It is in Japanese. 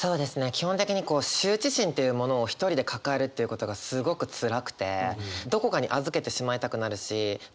基本的にこう羞恥心っていうものを一人で抱えるということがすごくつらくてどこかに預けてしまいたくなるしま